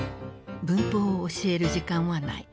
文法を教える時間はない。